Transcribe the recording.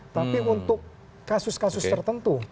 tapi untuk kasus kasus tertentu